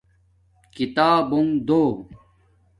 کتابونݣ دو